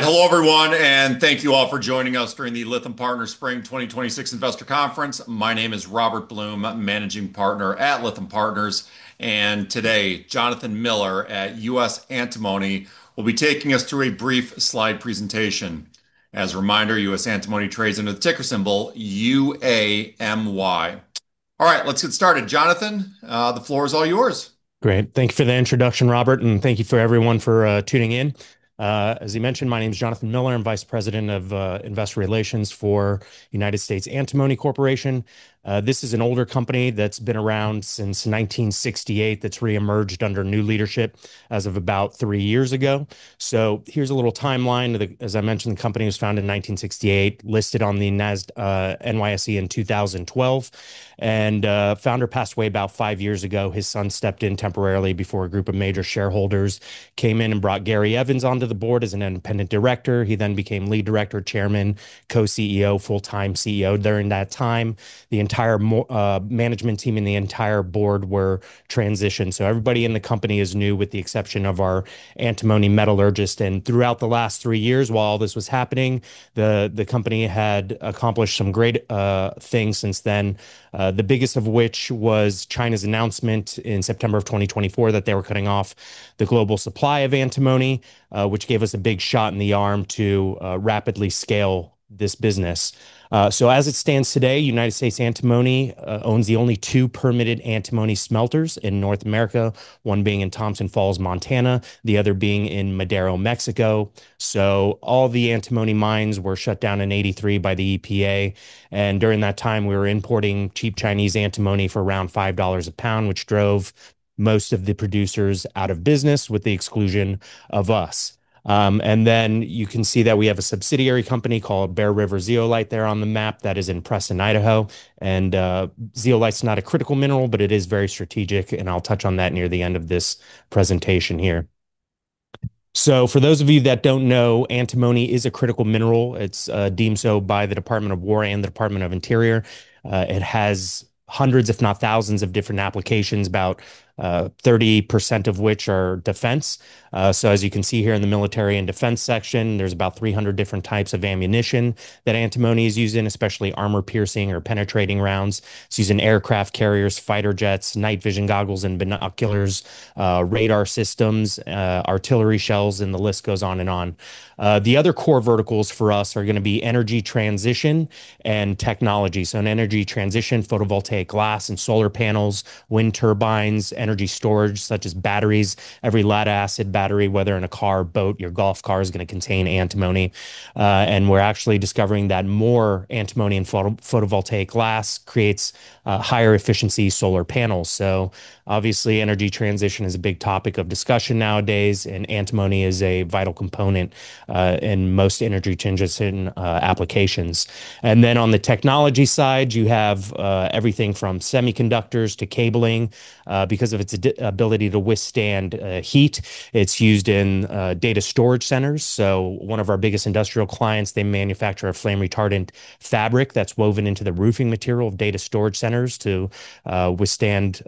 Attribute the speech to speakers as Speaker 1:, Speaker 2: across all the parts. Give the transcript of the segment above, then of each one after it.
Speaker 1: All right. Hello everyone, and thank you all for joining us during the Lytham Partners Spring 2026 Investor Conference. My name is Robert Blum, Managing Partner at Lytham Partners, and today Jonathan Miller at US Antimony will be taking us through a brief slide presentation. As a reminder, US Antimony trades under the ticker symbol UAMY. All right, let's get started. Jonathan, the floor is all yours.
Speaker 2: Great. Thank you for the introduction, Robert. Thank you for everyone for tuning in. As you mentioned, my name's Jonathan Miller. I'm Vice President of Investor Relations for United States Antimony Corporation. This is an older company that's been around since 1968 that's reemerged under new leadership as of about three years ago. Here's a little timeline. As I mentioned, the company was founded in 1968, listed on the NYSE in 2012. Founder passed away about five years ago. His son stepped in temporarily before a group of major shareholders came in and brought Gary Evans onto the board as an independent director. He then became lead director, Chairman, Co-CEO, full-time CEO. During that time, the entire management team and the entire board were transitioned. Everybody in the company is new, with the exception of our antimony metallurgist. Throughout the last three years, while all this was happening, the company had accomplished some great things since then. The biggest of which was China's announcement in September of 2024 that they were cutting off the global supply of antimony, which gave us a big shot in the arm to rapidly scale this business. As it stands today, United States Antimony owns the only two permitted antimony smelters in North America, one being in Thompson Falls, Montana, the other being in Madero, Mexico. All the antimony mines were shut down in 1983 by the EPA, and during that time, we were importing cheap Chinese antimony for around $5 a pound, which drove most of the producers out of business, with the exclusion of us. You can see that we have a subsidiary company called Bear River Zeolite there on the map that is in Preston, Idaho. Zeolite's not a critical mineral, but it is very strategic, and I'll touch on that near the end of this presentation here. For those of you that don't know, antimony is a critical mineral. It's deemed so by the Department of Defense and the Department of Interior. It has hundreds, if not thousands, of different applications, about 30% of which are defense. As you can see here in the military and defense section, there's about 300 different types of ammunition that antimony is used in, especially armor-piercing or penetrating rounds. It's used in aircraft carriers, fighter jets, night vision goggles, and binoculars, radar systems, artillery shells, and the list goes on and on. The other core verticals for us are going to be energy transition and technology. In energy transition, photovoltaic glass and solar panels, wind turbines, energy storage such as batteries. Every lead-acid battery, whether in a car, boat, your golf cart, is going to contain antimony. We're actually discovering that more antimony in photovoltaic glass creates higher efficiency solar panels. Obviously, energy transition is a big topic of discussion nowadays, and antimony is a vital component in most energy transition applications. On the technology side, you have everything from semiconductors to cabling. Because of its ability to withstand heat, it's used in data storage centers. One of our biggest industrial clients, they manufacture a flame retardant fabric that's woven into the roofing material of data storage centers to withstand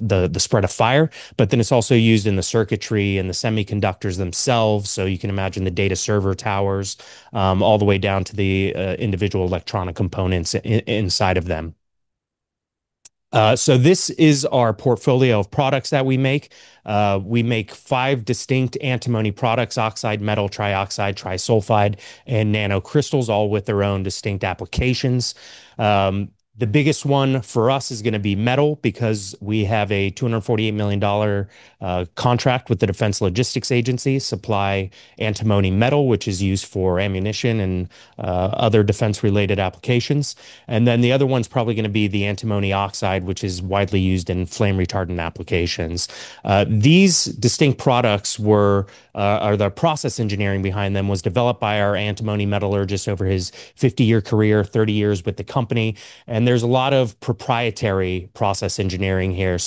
Speaker 2: the spread of fire. It's also used in the circuitry and the semiconductors themselves. You can imagine the data server towers all the way down to the individual electronic components inside of them. This is our portfolio of products that we make. We make five distinct antimony products: oxide, metal, trioxide, trisulfide, and nanocrystals, all with their own distinct applications. The biggest one for us is going to be metal because we have a $248 million contract with the Defense Logistics Agency, supply antimony metal, which is used for ammunition and other defense-related applications. Then the other one's probably going to be the antimony oxide, which is widely used in flame retardant applications. These distinct products, the process engineering behind them was developed by our antimony metallurgist over his 50-year career, 30 years with the company. There's a lot of proprietary process engineering here.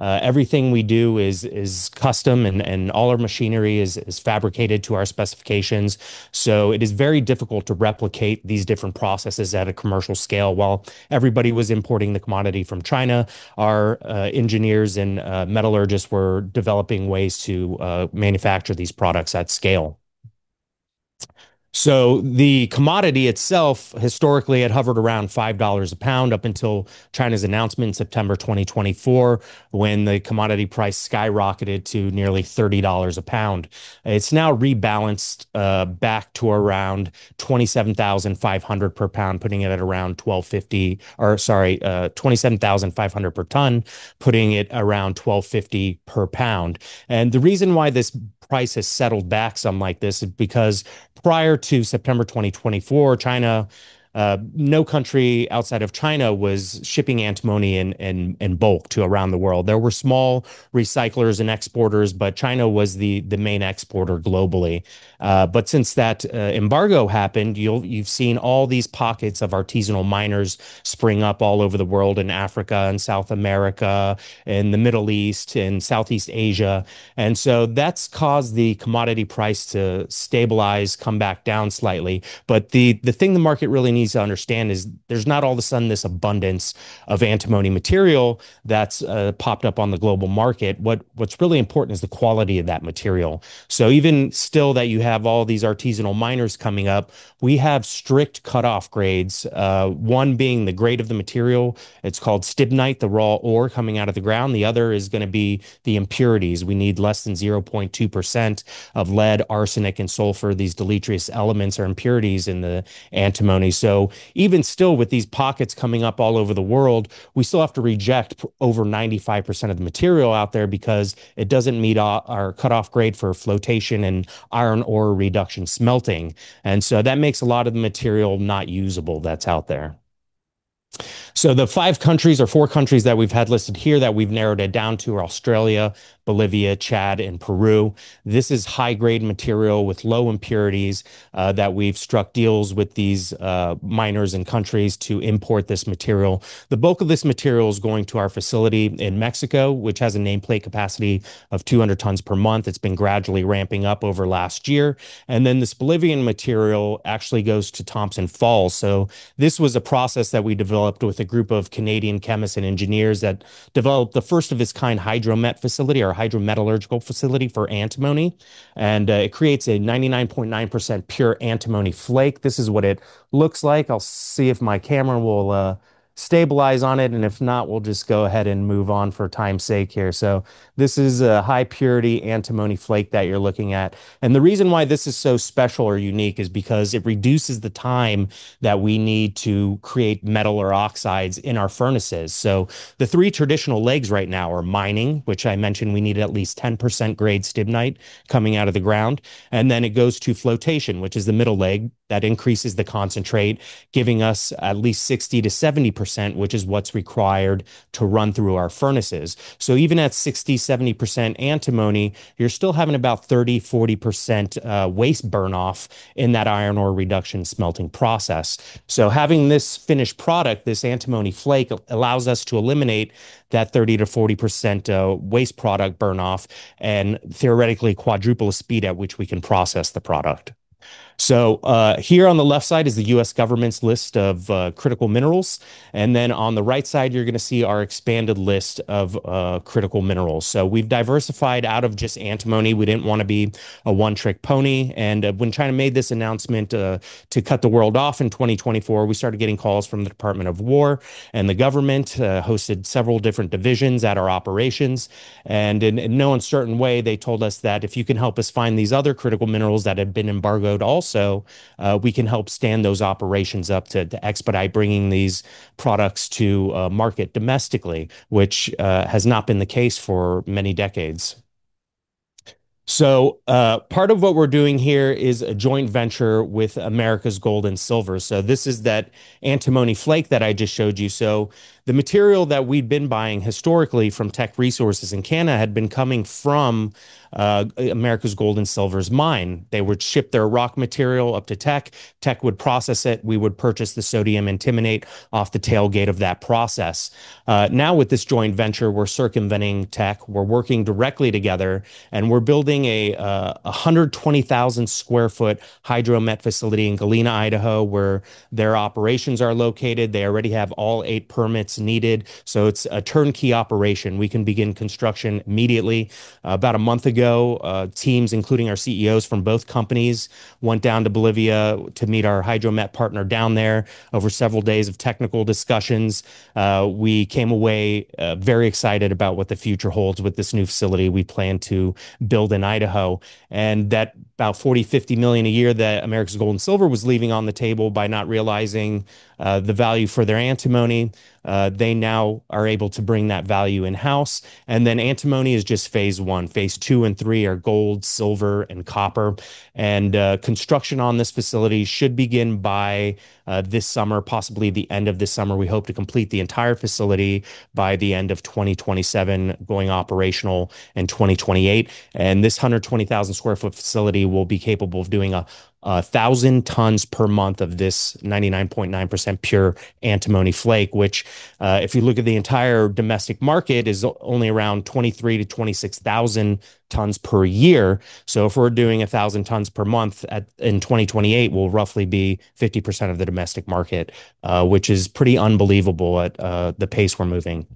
Speaker 2: Everything we do is custom, and all our machinery is fabricated to our specifications. It is very difficult to replicate these different processes at a commercial scale. While everybody was importing the commodity from China, our engineers and metallurgists were developing ways to manufacture these products at scale. The commodity itself historically had hovered around $5 a pound up until China's announcement in September 2024, when the commodity price skyrocketed to nearly $30 a pound. It's now rebalanced back to around $27,500 per ton, putting it at around $12.50 per pound. The reason why this price has settled back some like this is because prior to September 2024. No country outside of China was shipping antimony in bulk to around the world. There were small recyclers and exporters, but China was the main exporter globally. Since that embargo happened, you've seen all these pockets of artisanal miners spring up all over the world, in Africa and South America and the Middle East, in Southeast Asia. That's caused the commodity price to stabilize, come back down slightly. The thing the market really needs to understand is there's not all of a sudden this abundance of antimony material that's popped up on the global market. What's really important is the quality of that material. Even still that you have all these artisanal miners coming up, we have strict cutoff grades. One being the grade of the material. It's called stibnite, the raw ore coming out of the ground. The other is going to be the impurities. We need less than 0.2% of lead, arsenic, and sulfur. These deleterious elements are impurities in the antimony. Even still, with these pockets coming up all over the world, we still have to reject over 95% of the material out there because it doesn't meet our cutoff grade for flotation and iron oe reduction smelting. That makes a lot of the material not usable that's out there. So the five countries or four countries that we've had listed here that we've narrowed it down to are Australia, Bolivia, Chad, and Peru. This is high-grade material with low impurities that we've struck deals with these miners in countries to import this material. The bulk of this material is going to our facility in Mexico, which has a nameplate capacity of 200 tons per month. It's been gradually ramping up over last year. This Bolivian material actually goes to Thompson Falls. This was a process that we developed with a group of Canadian chemists and engineers that developed the first of its kind hydromet facility or hydrometallurgical facility for antimony. It creates a 99.9% pure antimony flake. This is what it looks like. I'll see if my camera will stabilize on it, and if not, we'll just go ahead and move on for time's sake here. This is a high-purity antimony flake that you're looking at. The reason why this is so special or unique is because it reduces the time that we need to create metal or oxides in our furnaces. The three traditional legs right now are mining, which I mentioned we need at least 10% grade stibnite coming out of the ground. It goes to flotation, which is the middle leg that increases the concentrate, giving us at least 60%-70%, which is what's required to run through our furnaces. Even at 60%, 70% antimony, you're still having about 30%, 40% waste burn off in that iron ore reduction smelting process. Having this finished product, this antimony flake, allows us to eliminate that 30%-40% waste product burn off and theoretically quadruple the speed at which we can process the product. Here on the left side is the U.S. government's list of critical minerals, and then on the right side, you're going to see our expanded list of critical minerals. We've diversified out of just antimony. We didn't want to be a one-trick pony. When China made this announcement to cut the world off in 2024, we started getting calls from the Department of Defense, and the government hosted several different divisions at our operations. In no uncertain way, they told us that if you can help us find these other critical minerals that have been embargoed also. We can help stand those operations up to expedite bringing these products to market domestically, which has not been the case for many decades. Part of what we're doing here is a joint venture with Americas Gold and Silver. This is that antimony flake that I just showed you. The material that we'd been buying historically from Teck Resources in Canada had been coming from Americas Gold and Silver's mine. Teck would process it. We would purchase the sodium antimonate off the tailgate of that process. With this joint venture, we're circumventing Teck. We're working directly together, we're building a 120,000 sq ft hydromet facility in Galena, Idaho, where their operations are located. They already have all eight permits needed. It's a turnkey operation. We can begin construction immediately. About a month ago, teams, including our CEOs from both companies, went down to Bolivia to meet our hydromet partner down there over several days of technical discussions. We came away very excited about what the future holds with this new facility we plan to build in Idaho. That about $40 million-$50 million a year that Americas Gold and Silver was leaving on the table by not realizing the value for their antimony, they now are able to bring that value in-house. Antimony is just phase I. Phase II and III are gold, silver, and copper. Construction on this facility should begin by this summer, possibly the end of this summer. We hope to complete the entire facility by the end of 2027, going operational in 2028. This 120,000 sq ft facility will be capable of doing 1,000 tons per month of this 99.9% pure antimony flake. If you look at the entire domestic market, is only around 23,000-26,000 tons per year. If we're doing 1,000 tons per month in 2028, we'll roughly be 50% of the domestic market, which is pretty unbelievable at the pace we're moving.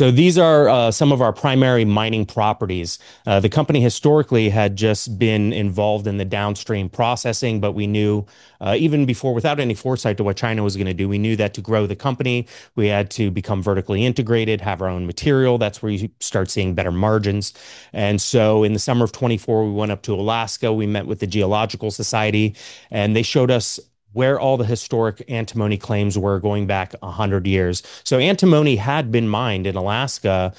Speaker 2: These are some of our primary mining properties. The company historically had just been involved in the downstream processing, we knew even before, without any foresight to what China was going to do, we knew that to grow the company, we had to become vertically integrated, have our own material. That's where you start seeing better margins. In the summer of 2024, we went up to Alaska. We met with the Geological Society, and they showed us where all the historic antimony claims were going back 100 years. Antimony had been mined in Alaska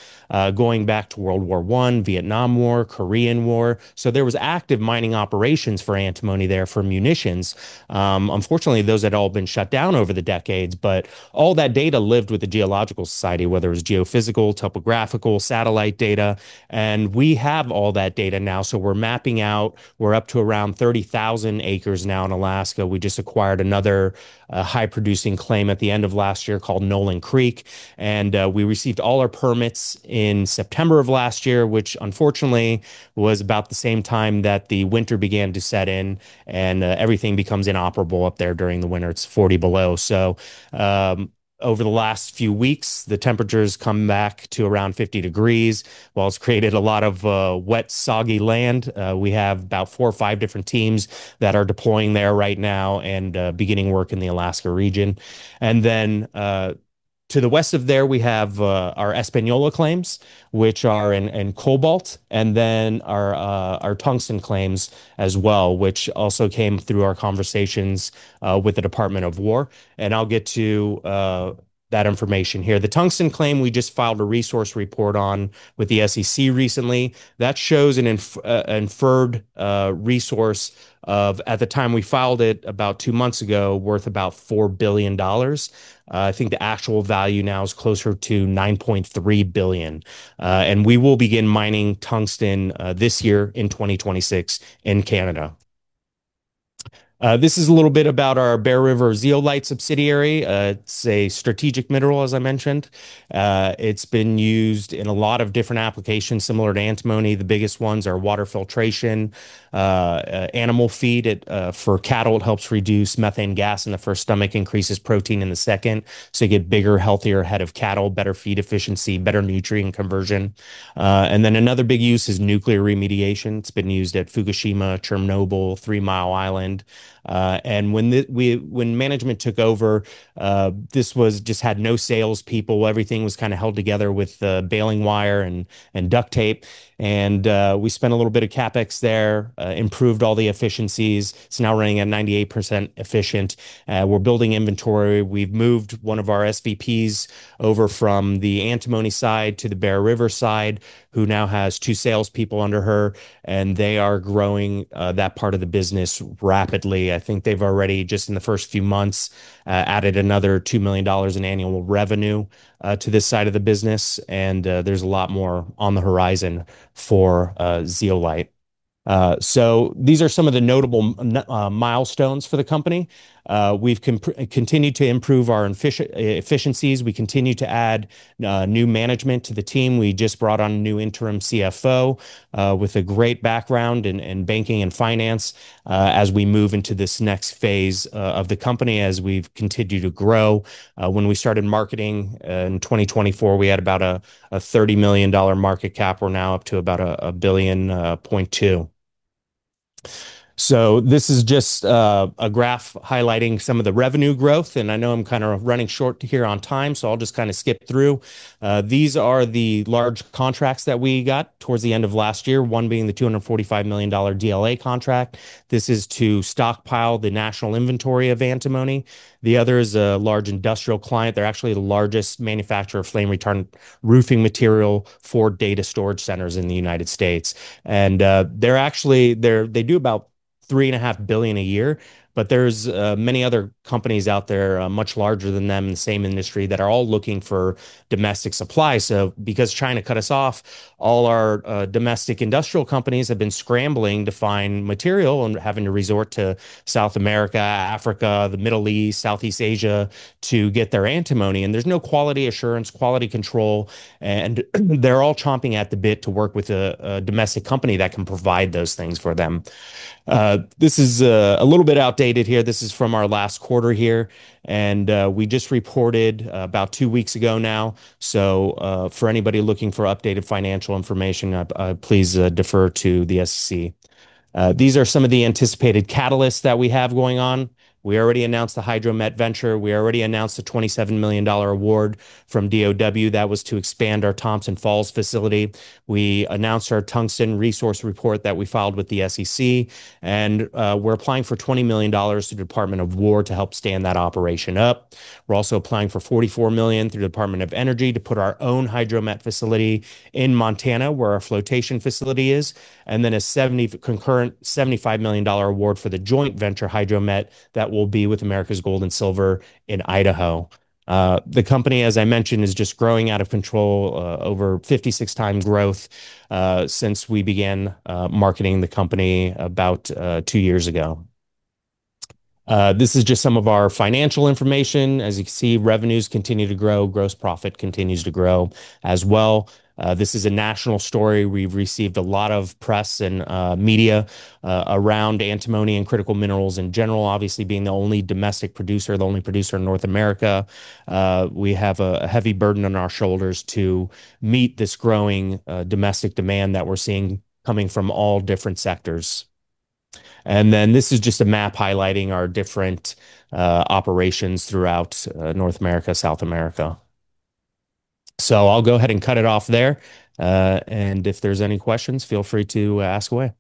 Speaker 2: going back to World War I, Vietnam War, Korean War. There was active mining operations for antimony there for munitions. Unfortunately, those had all been shut down over the decades, all that data lived with the Geological Society, whether it was geophysical, topographical, satellite data, we have all that data now. We're mapping out. We're up to around 30,000 acres now in Alaska. We just acquired another high-producing claim at the end of last year called Nolan Creek, and we received all our permits in September of last year, which unfortunately was about the same time that the winter began to set in and everything becomes inoperable up there during the winter. It's 40 below. Over the last few weeks, the temperature's come back to around 50 degrees. While it's created a lot of wet, soggy land, we have about four or five different teams that are deploying there right now and beginning work in the Alaska region. To the west of there, we have our Espanola claims, which are in cobalt, and then our tungsten claims as well, which also came through our conversations with the Department of Defense. I'll get to that information here. The tungsten claim we just filed a resource report on with the SEC recently. That shows an inferred resource of, at the time we filed it about two months ago, worth about $4 billion. I think the actual value now is closer to $9.3 billion. We will begin mining tungsten this year in 2026 in Canada. This is a little bit about our Bear River Zeolite subsidiary. It's a strategic mineral, as I mentioned. It's been used in a lot of different applications similar to antimony. The biggest ones are water filtration, animal feed. For cattle, it helps reduce methane gas in the first stomach, increases protein in the second, so you get bigger, healthier head of cattle, better feed efficiency, better nutrient conversion. Another big use is nuclear remediation. It's been used at Fukushima, Chernobyl, Three Mile Island. When management took over, this just had no salespeople. Everything was held together with baling wire and duct tape. We spent a little bit of CapEx there, improved all the efficiencies. It's now running at 98% efficient. We're building inventory. We've moved one of our SVPs over from the antimony side to the Bear River side, who now has two salespeople under her. They are growing that part of the business rapidly. I think they've already, just in the first few months, added another $2 million in annual revenue to this side of the business. There's a lot more on the horizon for zeolite. These are some of the notable milestones for the company. We've continued to improve our efficiencies. We continue to add new management to the team. We just brought on a new interim CFO, with a great background in banking and finance, as we move into this next phase of the company as we've continued to grow. When we started marketing in 2024, we had about a $30 million market cap. We're now up to about $1.2 billion. This is just a graph highlighting some of the revenue growth, and I know I'm running short here on time, so I'll just skip through. These are the large contracts that we got towards the end of last year, one being the $245 million DLA contract. This is to stockpile the national inventory of antimony. The other is a large industrial client. They're actually the largest manufacturer of flame retardant roofing material for data storage centers in the U.S. They do about $3.5 billion a year, but there's many other companies out there much larger than them in the same industry that are all looking for domestic supply. Because China cut us off, all our domestic industrial companies have been scrambling to find material and having to resort to South America, Africa, the Middle East, Southeast Asia to get their antimony. There's no quality assurance, quality control, and they're all chomping at the bit to work with a domestic company that can provide those things for them. This is a little bit outdated here. This is from our last quarter here, and we just reported about two weeks ago now. For anybody looking for updated financial information, please defer to the SEC. These are some of the anticipated catalysts that we have going on. We already announced the Hydromet Venture. We already announced a $27 million award from DOD. That was to expand our Thompson Falls facility. We announced our tungsten resource report that we filed with the SEC. We're applying for $20 million to Department of Defense to help stand that operation up. We're also applying for $44 million through Department of Energy to put our own hydromet facility in Montana, where our flotation facility is. A concurrent $75 million award for the joint venture, hydromet, that will be with Americas Gold and Silver in Idaho. The company, as I mentioned, is just growing out of control, over 56x growth since we began marketing the company about two years ago. This is just some of our financial information. You can see, revenues continue to grow. Gross profit continues to grow as well. This is a national story. We've received a lot of press and media around antimony and critical minerals in general. Obviously, being the only domestic producer, the only producer in North America, we have a heavy burden on our shoulders to meet this growing domestic demand that we're seeing coming from all different sectors. This is just a map highlighting our different operations throughout North America, South America. I'll go ahead and cut it off there, and if there's any questions, feel free to ask away.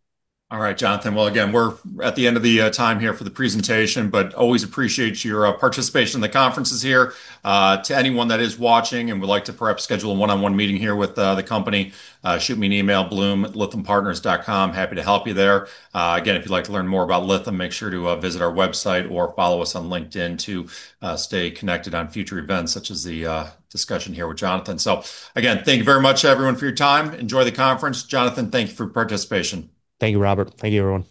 Speaker 1: All right, Jonathan. Well, again, we're at the end of the time here for the presentation, but always appreciate your participation in the conferences here. To anyone that is watching and would like to perhaps schedule a one-on-one meeting here with the company, shoot me an email, Blum@lythampartners.com. Happy to help you there. Again, if you'd like to learn more about Lytham, make sure to visit our website or follow us on LinkedIn to stay connected on future events such as the discussion here with Jonathan. Again, thank you very much everyone for your time. Enjoy the conference. Jonathan, thank you for your participation.
Speaker 2: Thank you, Robert. Thank you, everyone.